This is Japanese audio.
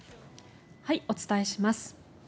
お伝えします。